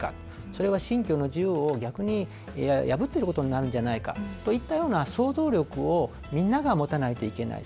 それは信教の自由を逆に破っていることになるんじゃないかという想像力をみんなが持たないといけない。